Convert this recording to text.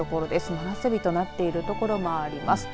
夏真夏日となっている所もあります。